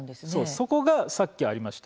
そこが、さっきありました